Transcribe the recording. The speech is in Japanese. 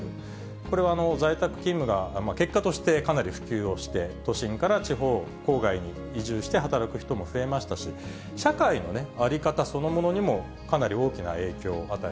これは在宅勤務が、結果としてかなり普及をして、都心から地方、郊外に移住して働く人も増えましたし、社会の在り方そのものにも、かなり大きな影